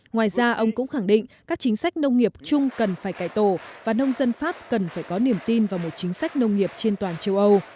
ngoài ra ông cũng khẳng định các chính sách nông nghiệp chung cần phải cải tổ và nông dân pháp cần phải có niềm tin vào một chính sách nông nghiệp trên toàn châu âu